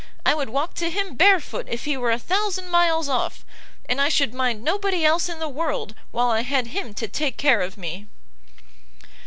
I would walk to him barefoot if he were a thousand miles off, and I should mind nobody else in the world while I had him to take care of me!"